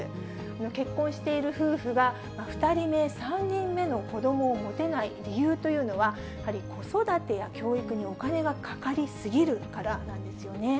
結婚している夫婦が２人目、３人目の子どもを持てない理由というのは、やはり子育てや教育にお金がかかりすぎるからなんですよね。